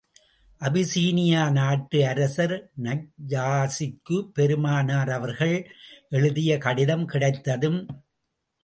Abyssinia நாட்டு அரசர் நஜ்ஜாஷிக்கு பெருமானார் அவர்கள் எழுதிய கடிதம் கிடைத்ததும்.